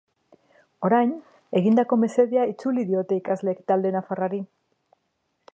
Orain, egindako mesedea itzuli diote ikasleek talde nafarrari.